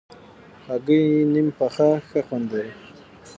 هګۍ نیم پخه ښه خوند لري.